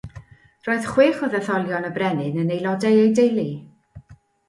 Roedd chwech o ddetholion y Brenin yn aelodau ei deulu.